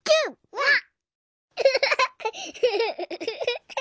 わっ！